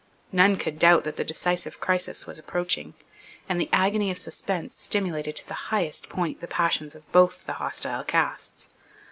None could doubt that the decisive crisis was approaching; and the agony of suspense stimulated to the highest point the passions of both the hostile castes.